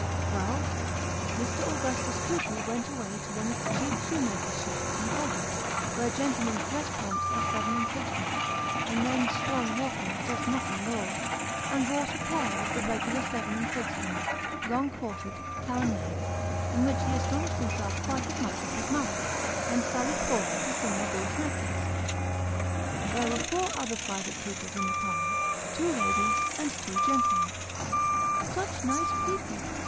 Well ; Mr. Augustus Cooper went away to one of the cheap shoe makers' shops in Holborn, where gentlemen's dress pumps are seven and sixpence, and men's strong walking just nothing at all, and bought a pair of the regular seven and sixpenny, long quartered, town mades, in which he astonished himself quite as much as his mother, and sallied forth to Signor Billsmethi's. There were four other private pupils in the parlour : two ladies and two gentlemen. Such nice people